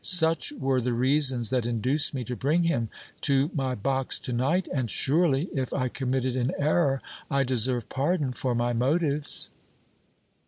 Such were the reasons that induced me to bring him to my box to night, and, surely, if I committed an error, I deserve pardon for my motives!"